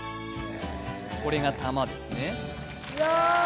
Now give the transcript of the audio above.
これが玉ですね